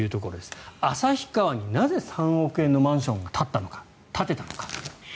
旭川になぜ３億円のマンションを建てたのか。